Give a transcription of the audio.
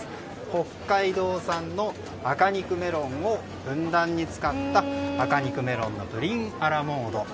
北海道産の赤肉メロンをふんだんに使った赤肉メロンのプリンアラモード。